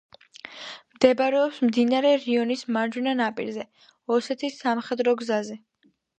მდებარეობს მდინარე რიონის მარჯვენა ნაპირზე, ოსეთის სამხედრო გზაზე.